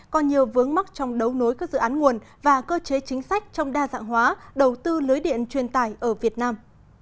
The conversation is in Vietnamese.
còn nhiều vướng mắc trong đấu nối các dự án nguồn và cơ chế chính sách trong đa dạng hóa đầu tư lưới điện truyền tải ở việt nam